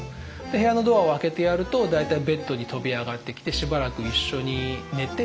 部屋のドアを開けてやると大体ベッドに飛び上がってきてしばらく一緒に寝て。